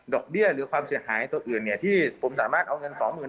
ดอกเบี้ยหรือความเสียหายตัวอื่นเนี่ยที่ผมสามารถเอาเงินสองหมื่น